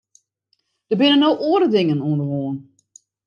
Der binne no oare dingen oan de hân.